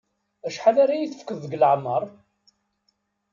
Acḥal ara yi-tefkeḍ deg leεmer?